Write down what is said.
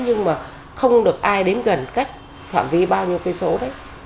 nhưng mà không được ai đến gần cách phạm vi bao nhiêu cây số đấy